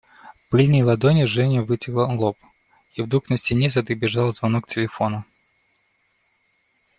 Пыльной ладонью Женя вытерла лоб, и вдруг на стене задребезжал звонок телефона.